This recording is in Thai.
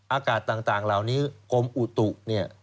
อากาศต่างเหล่านี้กรมอุตุเนี่ย